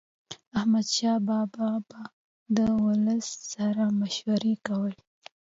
احمدشاه بابا به د ولس سره مشورې کولي.